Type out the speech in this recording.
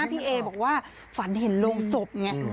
พี่เอบอกว่าฝันเห็นโรงศพไง